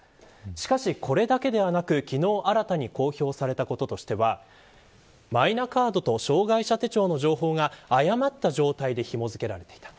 しかしこれだけではなく昨日新たに公表されたこととしてはマイナカードと障害者手帳の情報が誤った状態でひも付けられていた。